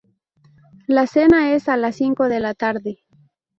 La cena es a las cinco de la tarde.